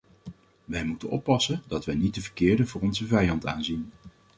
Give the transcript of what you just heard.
Wij moeten oppassen dat wij niet de verkeerde voor onze vijand aanzien.